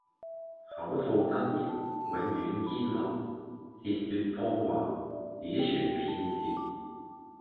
口吐真言，永遠堅立；舌說謊話，只存片時。